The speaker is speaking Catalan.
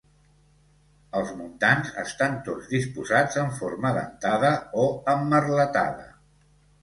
Els muntants estan tots disposats en forma dentada o emmerletada.